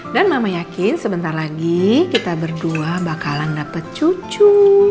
dan mama yakin sebentar lagi kita berdua bakalan dapet cucu